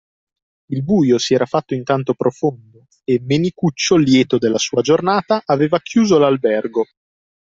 Il buio si era fatto intanto profondo e Menicuccio lieto della sua giornata, aveva chiuso l’albergo